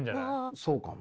そうかもな。